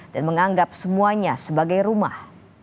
dan menganggap semuanya sebagai rumah